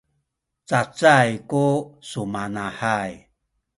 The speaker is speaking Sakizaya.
cacay ku sumanahay